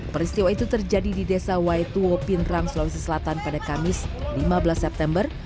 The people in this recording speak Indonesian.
peristiwa itu terjadi di desa waituo pinrang sulawesi selatan pada kamis lima belas september